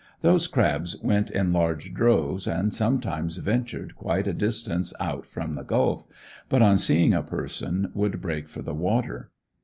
Those crabs went in large droves and sometimes ventured quite a distance out from the Gulf, but on seeing a person would break for the water.